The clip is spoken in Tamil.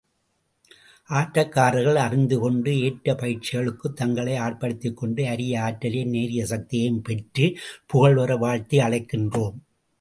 ஆட்டக்காரர்கள் அறிந்துகொண்டு, ஏற்ற பயிற்சிகளுக்குத் தங்களை ஆட்படுத்திக்கொண்டு, அரிய ஆற்றலையும் நேரிய சக்தியையும் பெற்று, புகழ்பெற வாழ்த்தி அழைக்கிறோம்.